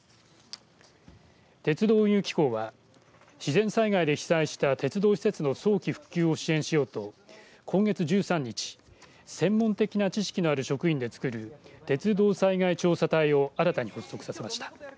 鉄道・運輸機構は自然災害で被災した鉄道施設の早期復旧を支援しようと今月１３日専門的な知識のある職員で作る鉄道災害調査隊を新たに発足させました。